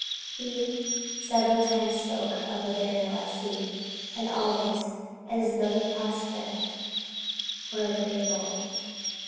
He several times spoke of a burial at sea, and always as though the prospect were agreeable.